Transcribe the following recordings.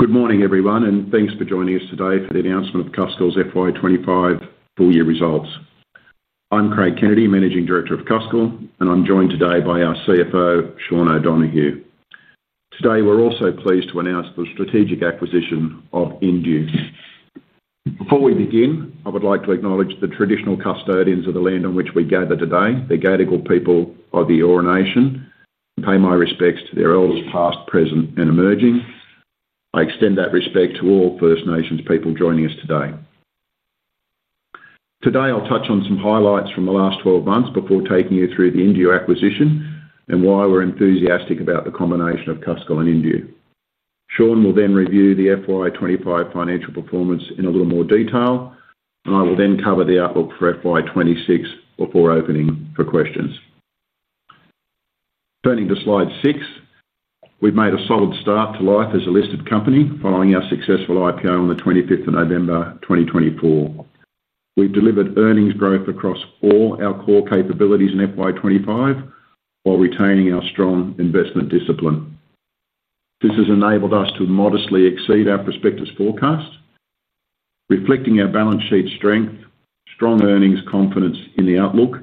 Good morning, everyone, and thanks for joining us today for the announcement of Cuscal's FY 2025 full-year results. I'm Craig Kennedy, Managing Director of Cuscal, and I'm joined today by our CFO, Sean O'Donoghue. Today, we're also pleased to announce the strategic acquisition of Indue. Before we begin, I would like to acknowledge the traditional custodians of the land on which we gather today, the Gadigal people of the Eora Nation, and pay my respects to their elders past, present, and emerging. I extend that respect to all First Nations people joining us today. Today, I'll touch on some highlights from the last 12 months before taking you through the Indue acquisition and why we're enthusiastic about the combination of Cuscal and Indue. Sean will then review the FY 2025 financial performance in a little more detail, and I will then cover the outlook for FY 2026 before opening for questions. Turning to slide six, we've made a solid start to life as a listed company following our successful IPO on the 25th of November 2024. We've delivered earnings growth across all our core capabilities in FY 2025 while retaining our strong investment discipline. This has enabled us to modestly exceed our prospectus forecast. Reflecting our balance sheet strength, strong earnings, and confidence in the outlook,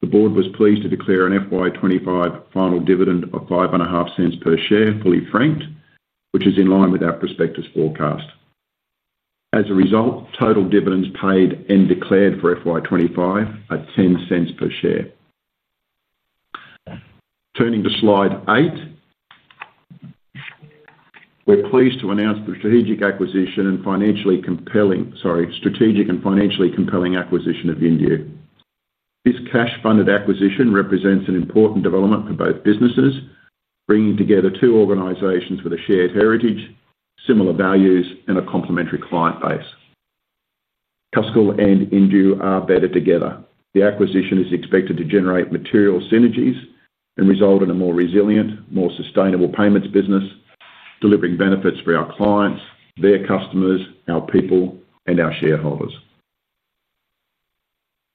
the board was pleased to declare an FY 2025 final dividend of $0.055 per share, fully franked, which is in line with our prospectus forecast. As a result, total dividends paid and declared for FY 2025 are $0.10 per share. Turning to slide eight, we're pleased to announce the strategic and financially compelling acquisition of Indue. This cash-funded acquisition represents an important development for both businesses, bringing together two organizations with a shared heritage, similar values, and a complementary client base. Cuscal and Indue are better together. The acquisition is expected to generate material synergies and result in a more resilient, more sustainable payments business, delivering benefits for our clients, their customers, our people, and our shareholders.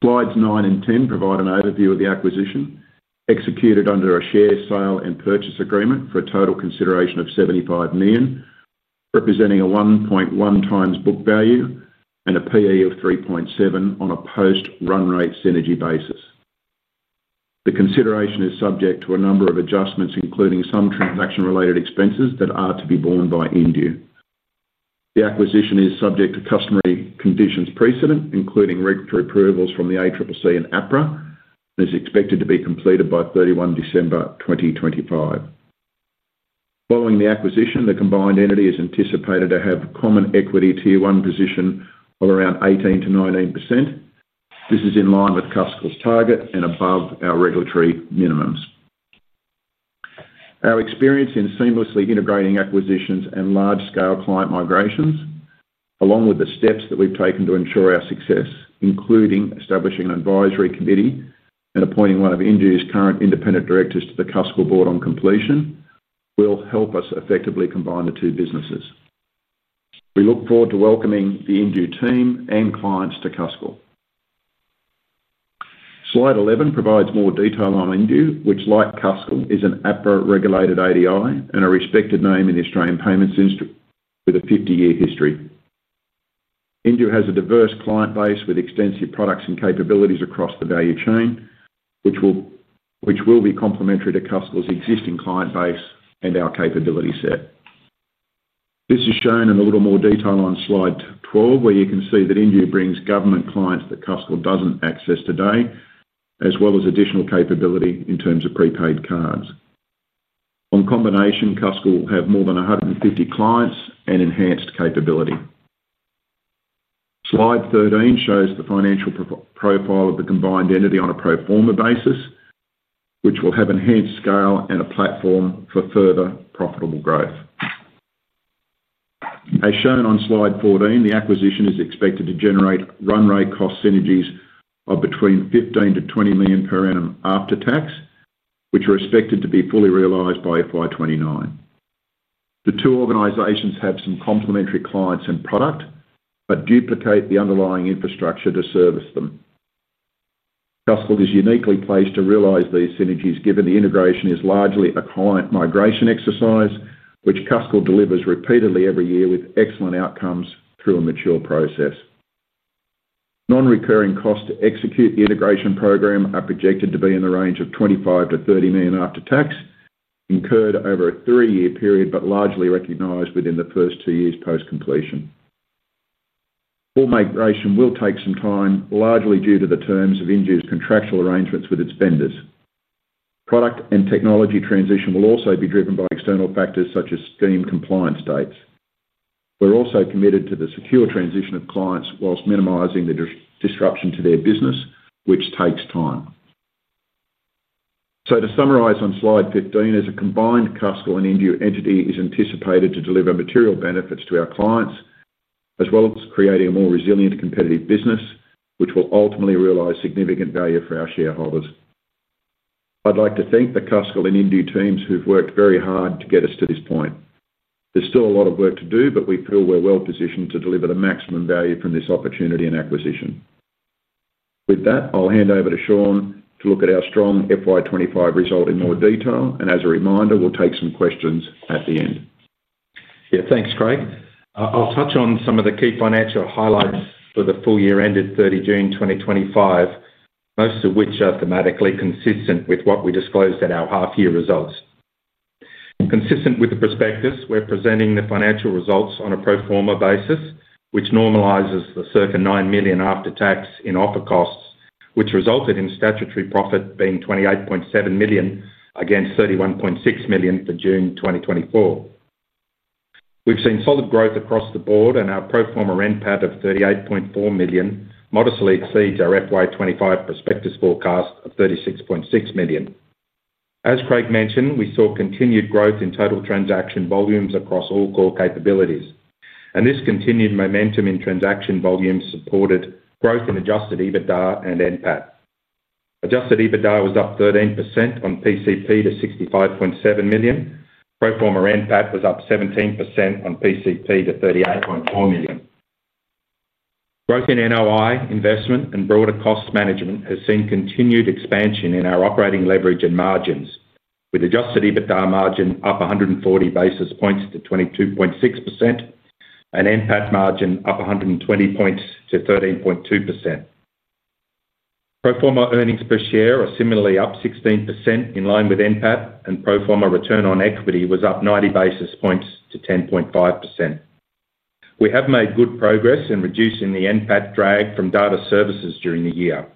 Slides nine and ten provide an overview of the acquisition executed under a share sale and purchase agreement for a total consideration of $75 million, representing a 1.1x book value and a P/E of 3.7x on a post-run rate synergy basis. The consideration is subject to a number of adjustments, including some transaction-related expenses that are to be borne by Indue. The acquisition is subject to customary conditions precedent, including regulatory approvals from the ACCC and APRA, and is expected to be completed by 31 December 2025. Following the acquisition, the combined entity is anticipated to have a common equity tier one position of around 18%-19%. This is in line with Cuscal's target and above our regulatory minimums. Our experience in seamlessly integrating acquisitions and large-scale client migrations, along with the steps that we've taken to ensure our success, including establishing an advisory committee and appointing one of Indue's current independent directors to the Cuscal board on completion, will help us effectively combine the two businesses. We look forward to welcoming the Indue team and clients to Cuscal. Slide 11 provides more detail on Indue, which, like Cuscal, is an APRA-regulated ADI and a respected name in the Australian payments industry with a 50-year history. Indue has a diverse client base with extensive products and capabilities across the value chain, which will be complementary to Cuscal's existing client base and our capability set. This is shown in a little more detail on slide 12, where you can see that Indue brings government clients that Cuscal doesn't access today, as well as additional capability in terms of prepaid card solutions. On combination, Cuscal will have more than 150 clients and enhanced capability. Slide 13 shows the financial profile of the combined entity on a pro forma basis, which will have enhanced scale and a platform for further profitable growth. As shown on slide 14, the acquisition is expected to generate run-rate cost synergies of between $15 million-$20 million per annum after tax, which are expected to be fully realized by FY 2029. The two organizations have some complementary clients and product, but duplicate the underlying infrastructure to service them. Cuscal is uniquely placed to realize these synergies, given the integration is largely a client migration exercise, which Cuscal delivers repeatedly every year with excellent outcomes through a mature process. Non-recurring costs to execute the integration program are projected to be in the range of $25 million-$30 million after tax, incurred over a three-year period, but largely recognized within the first two years post-completion. Full migration will take some time, largely due to the terms of Indue's contractual arrangements with its vendors. Product and technology transition will also be driven by external factors such as scheme compliance dates. We're also committed to the secure transition of clients whilst minimizing the disruption to their business, which takes time. To summarize on slide 15, a combined Cuscal and Indue entity is anticipated to deliver material benefits to our clients, as well as creating a more resilient, competitive business, which will ultimately realize significant value for our shareholders. I'd like to thank the Cuscal and Indue teams who've worked very hard to get us to this point. There's still a lot of work to do, but we feel we're well positioned to deliver the maximum value from this opportunity and acquisition. With that, I'll hand over to Sean to look at our strong FY 2025 result in more detail, and as a reminder, we'll take some questions at the end. Yeah, thanks, Craig. I'll touch on some of the key financial highlights for the full year ended 30 June 2025, most of which are thematically consistent with what we disclosed in our half-year results. Consistent with the prospectus, we're presenting the financial results on a pro forma basis, which normalizes the circa $9 million after tax in offer costs, which resulted in statutory profit being $28.7 million against $31.6 million for June 2024. We've seen solid growth across the board, and our pro forma NPAT of $38.4 million modestly exceeds our FY 2025 prospectus forecast of $36.6 million. As Craig mentioned, we saw continued growth in total transaction volumes across all core capabilities, and this continued momentum in transaction volumes supported growth in adjusted EBITDA and NPAT. Adjusted EBITDA was up 13% on PCP to $65.7 million. Pro forma NPAT was up 17% on PCP to $38.4 million. Growth in net operating income investment and broader cost management has seen continued expansion in our operating leverage and margins, with adjusted EBITDA margin up 140 basis points to 22.6% and NPAT margin up 120 points to 13.2%. Pro forma earnings per share are similarly up 16% in line with NPAT, and pro forma return on equity was up 90 basis points to 10.5%. We have made good progress in reducing the NPAT drag from data services during the year.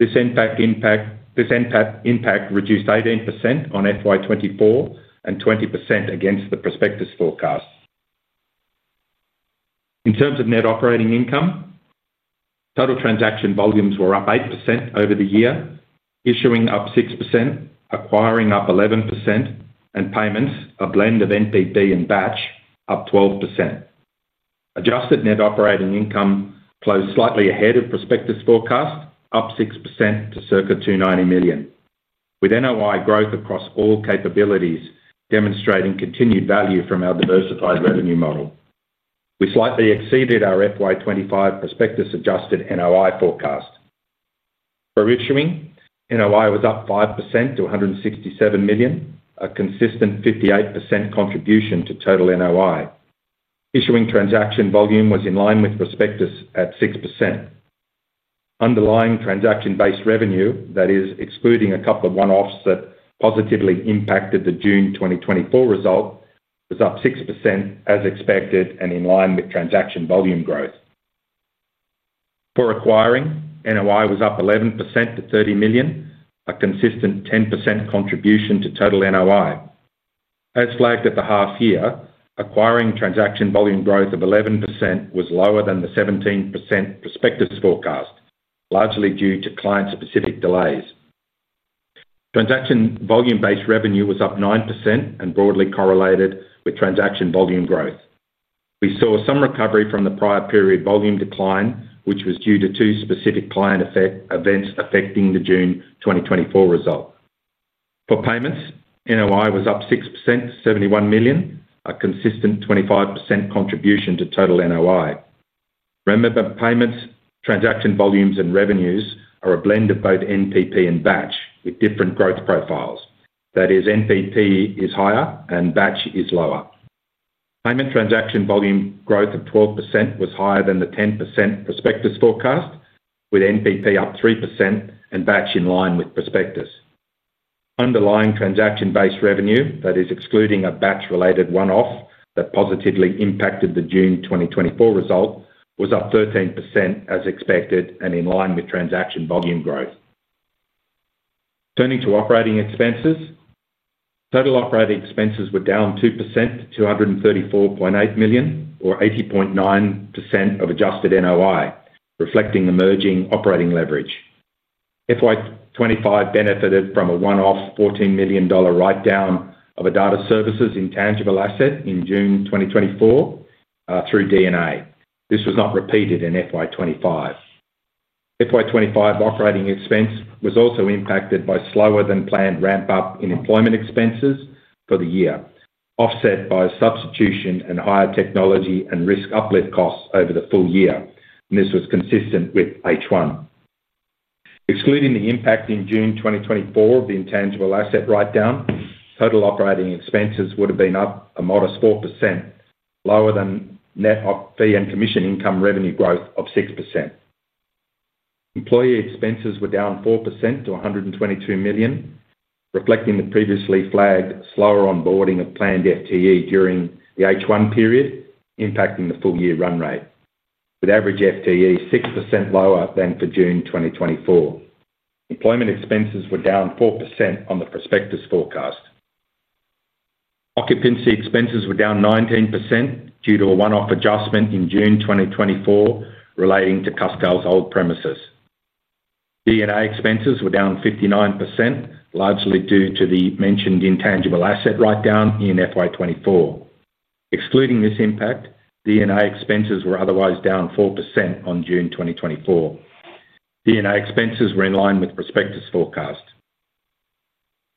This NPAT impact reduced 18% on FY 2024 and 20% against the prospectus forecast. In terms of net operating income, total transaction volumes were up 8% over the year, issuing up 6%, acquiring up 11%, and payments, a blend of NPP and batch, up 12%. Adjusted net operating income closed slightly ahead of prospectus forecast, up 6% to circa $290 million, with NOI growth across all capabilities demonstrating continued value from our diversified revenue model. We slightly exceeded our FY 2025 prospectus adjusted NOI forecast. For issuing, NOI was up 5% to $167 million, a consistent 58% contribution to total NOI. Issuing transaction volume was in line with prospectus at 6%. Underlying transaction-based revenue, that is, excluding a couple of one-offs that positively impacted the June 2024 result, was up 6% as expected and in line with transaction volume growth. For acquiring, NOI was up 11% to $30 million, a consistent 10% contribution to total NOI. As flagged at the half-year, acquiring transaction volume growth of 11% was lower than the 17% prospectus forecast, largely due to client-specific delays. Transaction volume-based revenue was up 9% and broadly correlated with transaction volume growth. We saw some recovery from the prior period volume decline, which was due to two specific client events affecting the June 2024 result. For payments, NOI was up 6% to $71 million, a consistent 25% contribution to total NOI. Remember, payments, transaction volumes, and revenues are a blend of both NPP and batch with different growth profiles. That is, NPP is higher and batch is lower. Payment transaction volume growth of 12% was higher than the 10% prospectus forecast, with NPP up 3% and batch in line with prospectus. Underlying transaction-based revenue, that is, excluding a batch-related one-off that positively impacted the June 2024 result, was up 13% as expected and in line with transaction volume growth. Turning to operating expenses, total operating expenses were down 2% to $234.8 million, or 80.9% of adjusted NOI, reflecting the merging operating leverage. FY 2025 benefited from a one-off $14 million write-down of a data services intangible asset in June 2024 through DNA. This was not repeated in FY 2025. FY 2025 operating expense was also impacted by slower-than-planned ramp-up in employment expenses for the year, offset by substitution and higher technology and risk uplift costs over the full year, and this was consistent with H1. Excluding the impact in June 2024 of the intangible asset write-down, total operating expenses would have been up a modest 4%, lower than net fee and commission income revenue growth of 6%. Employee expenses were down 4% to $122 million, reflecting the previously flagged slower onboarding of planned FTE during the H1 period, impacting the full year run rate, with average FTE 6% lower than for June 2024. Employment expenses were down 4% on the prospectus forecast. Occupancy expenses were down 19% due to a one-off adjustment in June 2024 relating to Cuscal's old premises. DNA expenses were down 59%, largely due to the mentioned intangible asset write-down in FY 2024. Excluding this impact, DNA expenses were otherwise down 4% on June 2024. DNA expenses were in line with prospectus forecast.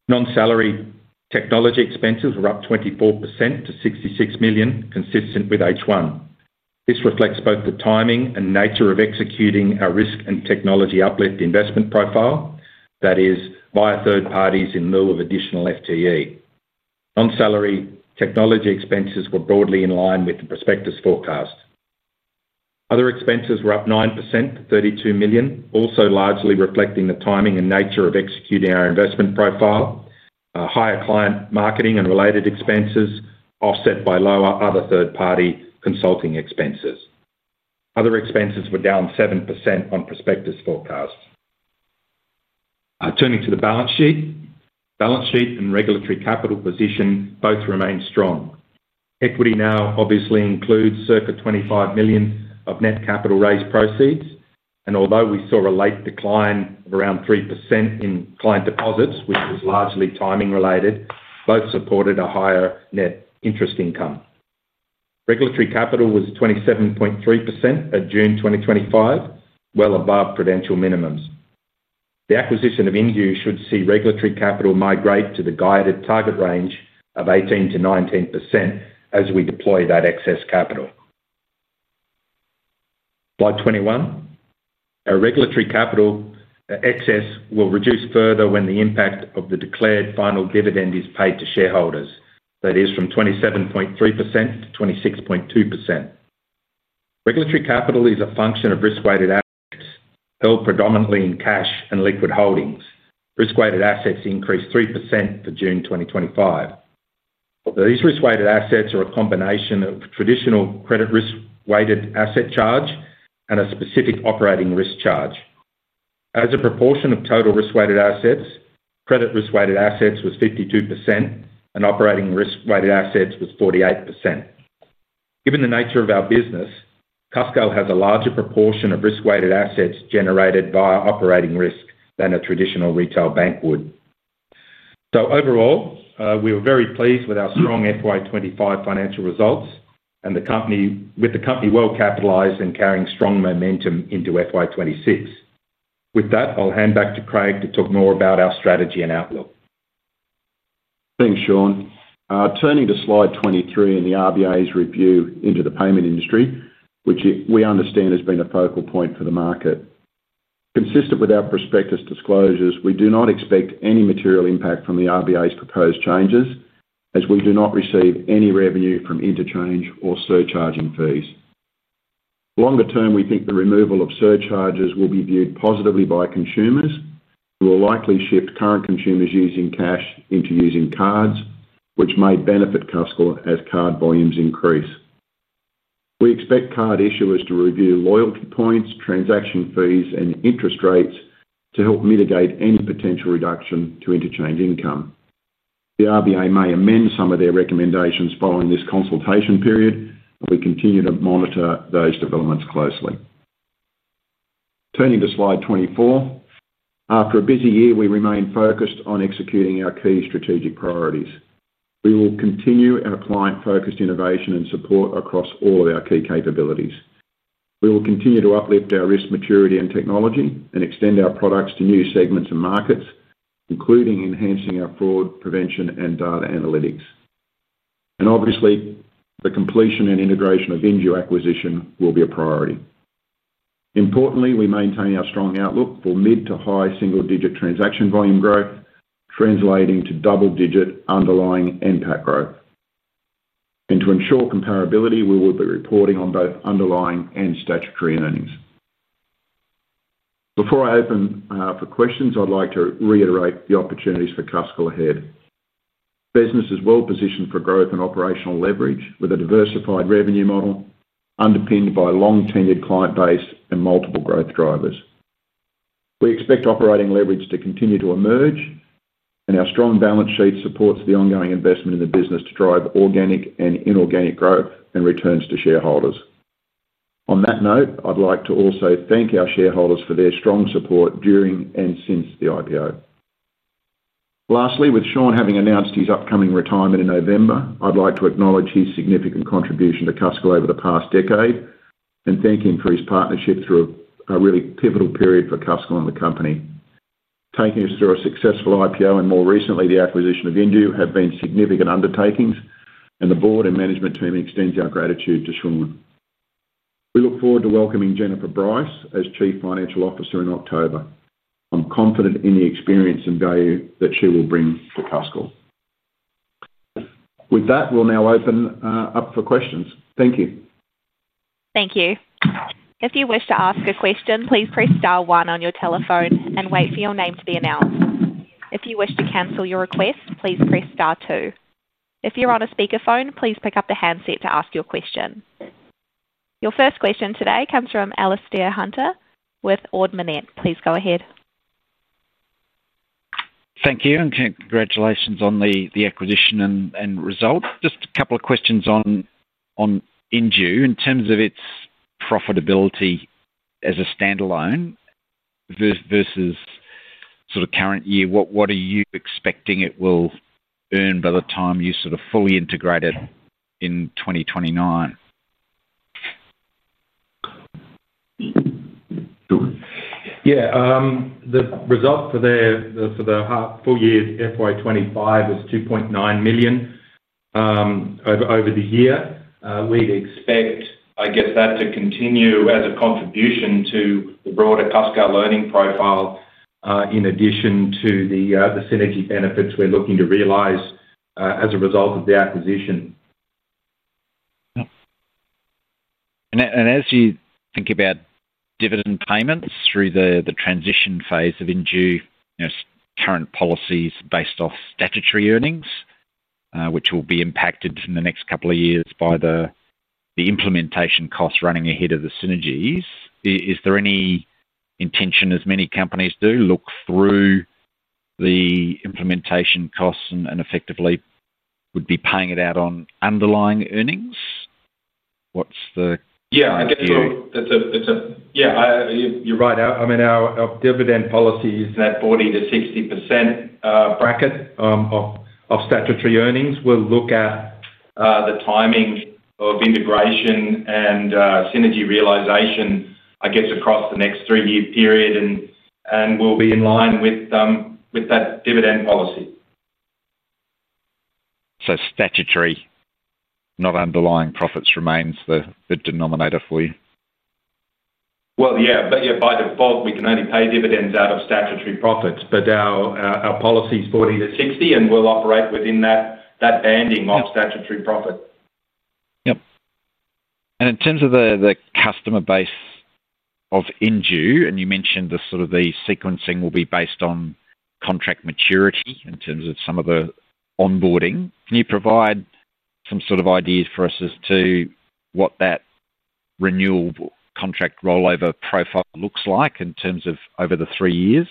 Non-salary technology expenses were up 24% to $66 million, consistent with H1. This reflects both the timing and nature of executing our risk and technology uplift investment profile, that is, via third parties in lieu of additional FTE. Non-salary technology expenses were broadly in line with the prospectus forecast. Other expenses were up 9% to $32 million, also largely reflecting the timing and nature of executing our investment profile, higher client marketing and related expenses offset by lower other third-party consulting expenses. Other expenses were down 7% on prospectus forecast. Turning to the balance sheet, balance sheet and regulatory capital position both remain strong. Equity now obviously includes circa $25 million of net capital raised proceeds, and although we saw a late decline of around 3% in client deposits, which was largely timing related, both supported a higher net interest income. Regulatory capital was 27.3% at June 2025, well above prudent minimums. The acquisition of Indue should see regulatory capital migrate to the guided target range of 18%-19% as we deploy that excess capital. Slide 21. Our regulatory capital excess will reduce further when the impact of the declared final dividend is paid to shareholders, that is, from 27.3% to 26.2%. Regulatory capital is a function of risk-weighted assets held predominantly in cash and liquid holdings. Risk-weighted assets increased 3% for June 2025. These risk-weighted assets are a combination of traditional credit risk-weighted asset charge and a specific operating risk charge. As a proportion of total risk-weighted assets, credit risk-weighted assets was 52% and operating risk-weighted assets was 48%. Given the nature of our business, Cuscal has a larger proportion of risk-weighted assets generated via operating risk than a traditional retail bank would. Overall, we were very pleased with our strong FY 2025 financial results and the company is well capitalized and carrying strong momentum into FY 2026. With that, I'll hand back to Craig to talk more about our strategy and outlook. Thanks, Sean. Turning to slide 23 in the RBA's review into the payment industry, which we understand has been a focal point for the market. Consistent with our prospectus disclosures, we do not expect any material impact from the RBA's proposed changes, as we do not receive any revenue from interchange or surcharging fees. Longer term, we think the removal of surcharges will be viewed positively by consumers and will likely shift current consumers using cash into using cards, which may benefit Cuscal as card volumes increase. We expect card issuers to review loyalty points, transaction fees, and interest rates to help mitigate any potential reduction to interchange income. The RBA may amend some of their recommendations following this consultation period, and we continue to monitor those developments closely. Turning to slide 24, after a busy year, we remain focused on executing our key strategic priorities. We will continue our client-focused innovation and support across all of our key capabilities. We will continue to uplift our risk maturity and technology and extend our products to new segments of markets, including enhancing our fraud prevention and data analytics. The completion and integration of the Indue acquisition will be a priority. Importantly, we maintain our strong outlook for mid to high single-digit transaction volume growth, translating to double-digit underlying NPAT growth. To ensure comparability, we will be reporting on both underlying and statutory earnings. Before I open for questions, I'd like to reiterate the opportunities for Cuscal ahead. The business is well positioned for growth and operating leverage with a diversified revenue model underpinned by a long-tenured client base and multiple growth drivers. We expect operating leverage to continue to emerge, and our strong balance sheet supports the ongoing investment in the business to drive organic and inorganic growth and returns to shareholders. On that note, I'd like to also thank our shareholders for their strong support during and since the IPO. Lastly, with Sean having announced his upcoming retirement in November, I'd like to acknowledge his significant contribution to Cuscal over the past decade and thank him for his partnership through a really pivotal period for Cuscal and the company. Taking us through a successful IPO and more recently the acquisition of Indue have been significant undertakings, and the board and management team extend our gratitude to Sean. We look forward to welcoming Jennifer Bryce as Chief Financial Officer in October. I'm confident in the experience and value that she will bring to Cuscal. With that, we'll now open up for questions. Thank you. Thank you. If you wish to ask a question, please press star one on your telephone and wait for your name to be announced. If you wish to cancel your request, please press star two. If you're on a speakerphone, please pick up the handset to ask your question. Your first question today comes from Alastair Hunter with Ord Minnett. Please go ahead. Thank you and congratulations on the acquisition and result. Just a couple of questions on Indue in terms of its profitability as a standalone versus sort of current year. What are you expecting it will earn by the time you sort of fully integrate it in 2029? Yeah, the result for the full year FY 2025 was $2.9 million over the year. We'd expect, I guess, that to continue as a contribution to the broader Cuscal earning profile in addition to the synergy benefits we're looking to realize as a result of the acquisition. As you think about dividend payments through the transition phase of Indue, current policies are based off statutory earnings, which will be impacted in the next couple of years by the implementation costs running ahead of the synergies. Is there any intention, as many companies do, to look through the implementation costs and effectively would be paying it out on underlying earnings? What's the view? Yeah, that's a, yeah, you're right. I mean, our dividend policy is in that 40%-60% bracket of statutory earnings. We'll look at the timing of integration and synergy realization, I guess, across the next three-year period and will be in line with that dividend policy. Statutory, not underlying profits remains the denominator for you? By default, we can only pay dividends out of statutory profits, but our policy is 40%-60% and we'll operate within that banding of statutory profits. In terms of the customer base of Indue, you mentioned the sequencing will be based on contract maturity in terms of some of the onboarding. Can you provide some ideas for us as to what that renewal contract rollover profile looks like over the three years?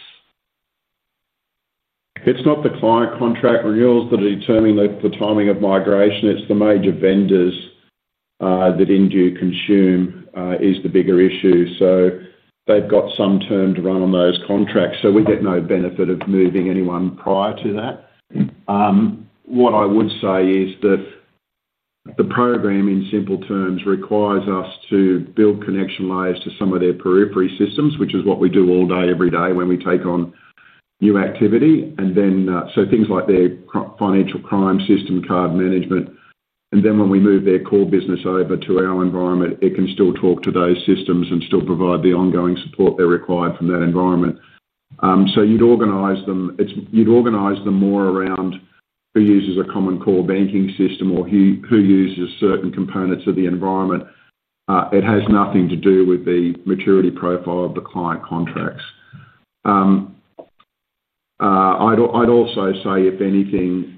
It's not the client contract renewals that are determining the timing of migration. It's the major vendors that Indue consume is the bigger issue. They've got some term to run on those contracts. We get no benefit of moving anyone prior to that. What I would say is that the program, in simple terms, requires us to build connection layers to some of their periphery systems, which is what we do all day, every day when we take on new activity. Things like their financial crime system, card management. When we move their core business over to our environment, it can still talk to those systems and still provide the ongoing support they're required from that environment. You'd organize them more around who uses a common core banking system or who uses certain components of the environment. It has nothing to do with the maturity profile of the client contracts. I'd also say, if anything,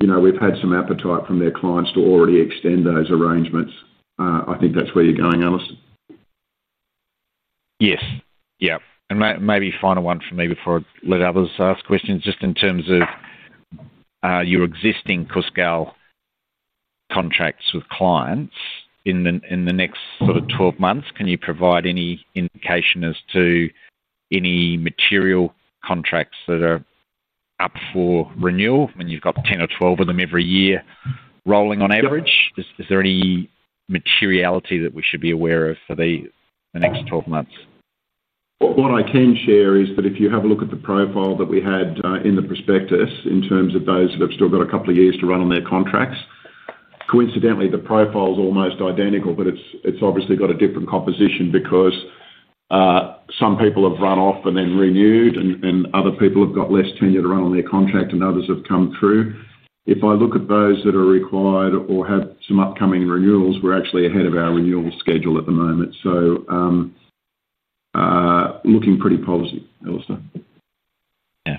we've had some appetite from their clients to already extend those arrangements. I think that's where you're going, Alastair. Yes, yeah. Maybe final one for me before I let others ask questions, just in terms of your existing Cuscal contracts with clients in the next sort of 12 months, can you provide any indication as to any material contracts that are up for renewal? I mean, you've got 10 or 12 of them every year rolling on average. Is there any materiality that we should be aware of for the next 12 months? What I can share is that if you have a look at the profile that we had in the prospectus in terms of those that have still got a couple of years to run on their contracts, coincidentally, the profile is almost identical, but it's obviously got a different composition because some people have run off and then renewed and other people have got less tenure to run on their contract and others have come through. If I look at those that are required or have some upcoming renewals, we're actually ahead of our renewal schedule at the moment. Looking pretty positive, Alastair. Yeah.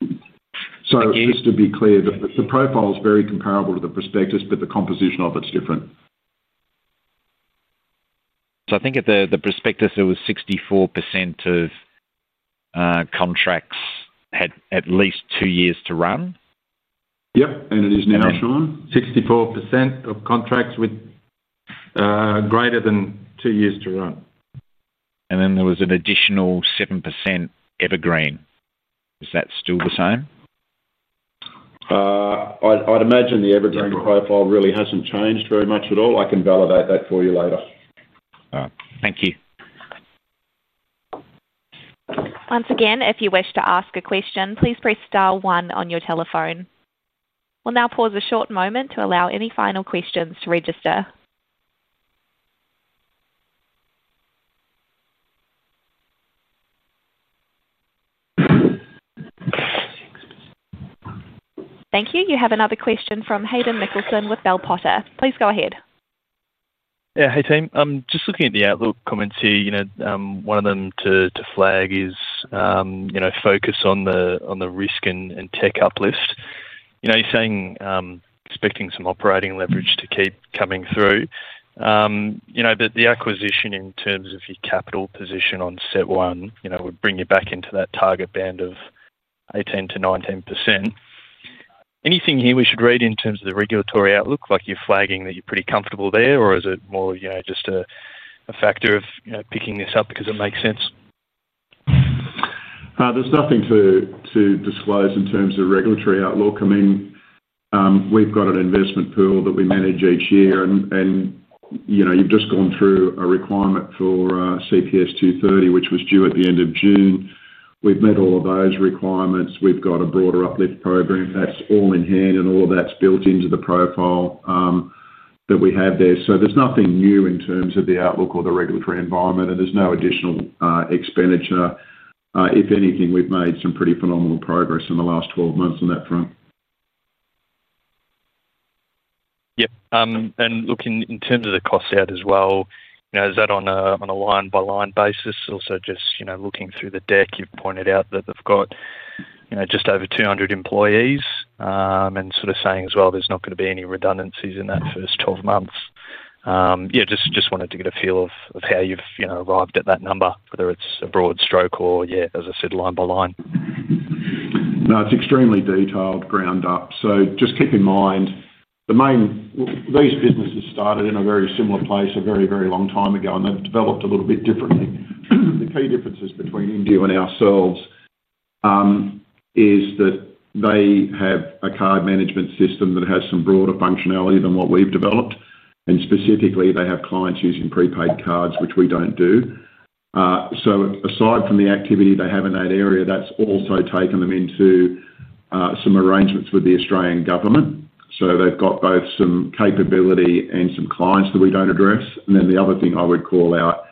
Just to be clear, the profile is very comparable to the prospectus, but the composition of it is different. At the prospectus, it was 64% of contracts had at least two years to run. Yeah, it is now, Sean. 64% of contracts with greater than two years to run. There was an additional 7% evergreen. Is that still the same? I'd imagine the evergreen profile really hasn't changed very much at all. I can validate that for you later. Thank you. Once again, if you wish to ask a question, please press star one on your telephone. We'll now pause a short moment to allow any final questions to register. Thank you. You have another question from Hayden Nicholson with Bell Potter. Please go ahead. Yeah, hey team. I'm just looking at the outlook comments here. One of them to flag is focus on the risk and tech uplift. You're saying expecting some operating leverage to keep coming through. The acquisition in terms of your capital position on set one would bring you back into that target band of 18%-19%. Anything here we should read in terms of the regulatory outlook? Like you're flagging that you're pretty comfortable there, or is it more just a factor of picking this up because it makes sense? There's nothing to disclose in terms of regulatory outlook. We've got an investment pool that we manage each year, and you've just gone through a requirement for CPS 230, which was due at the end of June. We've met all of those requirements. We've got a broader uplift program that's all in hand, and all of that's built into the profile that we have there. There's nothing new in terms of the outlook or the regulatory environment, and there's no additional expenditure. If anything, we've made some pretty phenomenal progress in the last 12 months on that front. Yeah, and looking in terms of the cost out as well, is that on a line-by-line basis? Also, just looking through the deck, you've pointed out that they've got just over 200 employees, and sort of saying as well, there's not going to be any redundancies in that first 12 months. I just wanted to get a feel of how you've arrived at that number, whether it's a broad stroke or, as I said, line by line. No, it's extremely detailed ground up. Just keep in mind, these businesses started in a very similar place a very, very long time ago, and they've developed a little bit differently. The key differences between Indue and ourselves is that they have a card management system that has some broader functionality than what we've developed, and specifically, they have clients using prepaid cards, which we don't do. Aside from the activity they have in that area, that's also taken them into some arrangements with the Australian government. They've got both some capability and some clients that we don't address. The other thing I would call out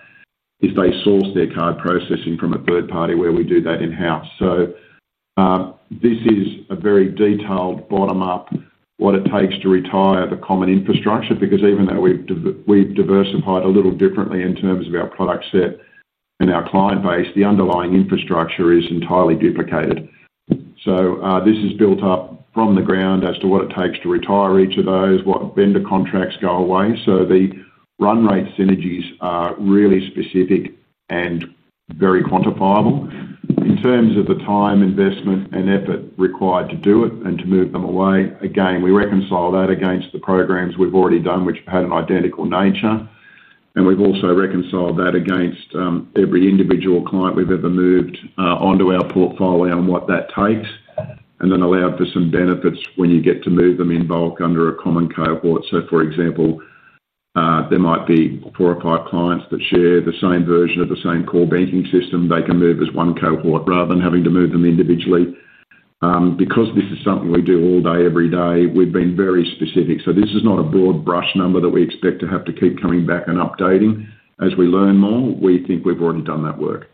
is they source their card processing from a third party where we do that in-house. This is a very detailed bottom-up what it takes to retire the common infrastructure because even though we've diversified a little differently in terms of our product set and our client base, the underlying infrastructure is entirely duplicated. This is built up from the ground as to what it takes to retire each of those, what vendor contracts go away. The run-rate synergies are really specific and very quantifiable in terms of the time, investment, and effort required to do it and to move them away. We reconcile that against the programs we've already done, which have had an identical nature, and we've also reconciled that against every individual client we've ever moved onto our portfolio and what that takes, and then allowed for some benefits when you get to move them in bulk under a common cohort. For example, there might be four or five clients that share the same version of the same core banking system. They can move as one cohort rather than having to move them individually. Because this is something we do all day, every day, we've been very specific. This is not a broad brush number that we expect to have to keep coming back and updating as we learn more. We think we've already done that work.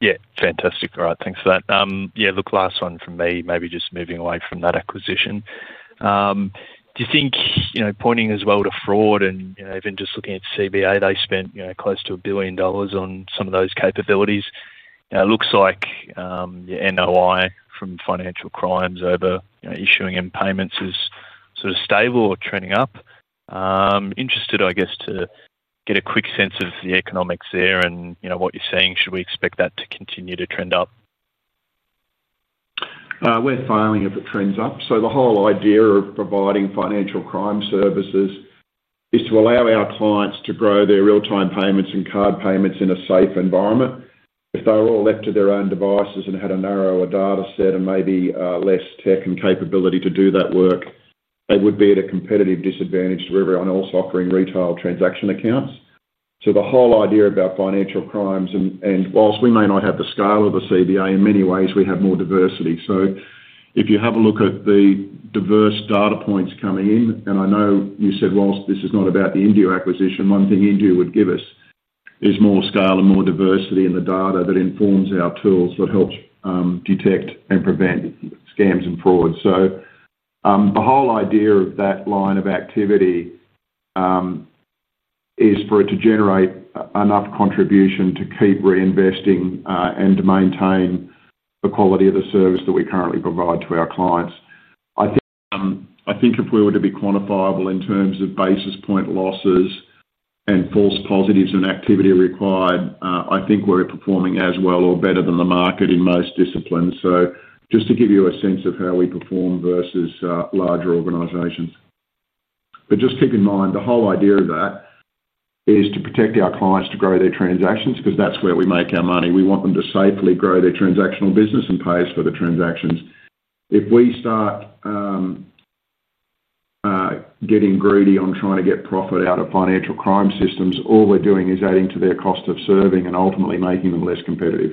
Yeah, fantastic. All right, thanks for that. Last one from me, maybe just moving away from that acquisition. Do you think, you know, pointing as well to fraud and, you know, even just looking at CBA, they spent, you know, close to $1 billion on some of those capabilities? It looks like your NOI from financial crimes over issuing and payments is sort of stable or trending up. Interested, I guess, to get a quick sense of the economics there and, you know, what you're saying. Should we expect that to continue to trend up? We're filing if it trends up. The whole idea of providing financial crime services is to allow our clients to grow their real-time payments and card payments in a safe environment. If they were all left to their own devices and had a narrower data set and maybe less tech and capability to do that work, they would be at a competitive disadvantage to everyone else offering retail transaction accounts. The whole idea about financial crimes, and whilst we may not have the scale of the CBA, in many ways we have more diversity. If you have a look at the diverse data points coming in, and I know you said whilst this is not about the Indue acquisition, one thing Indue would give us is more scale and more diversity in the data that informs our tools that helps detect and prevent scams and fraud. The whole idea of that line of activity is for it to generate enough contribution to keep reinvesting and to maintain the quality of the service that we currently provide to our clients. I think if we were to be quantifiable in terms of basis point losses and false positives and activity required, I think we're performing as well or better than the market in most disciplines. This gives you a sense of how we perform versus larger organizations. Just keep in mind, the whole idea of that is to protect our clients to grow their transactions because that's where we make our money. We want them to safely grow their transactional business and pay us for the transactions. If we start getting greedy on trying to get profit out of financial crime systems, all we're doing is adding to their cost of serving and ultimately making them less competitive.